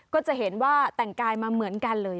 ก็จะเห็นว่าแต่งกายมาเหมือนกันเลย